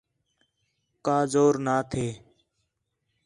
کا زور نہ تھے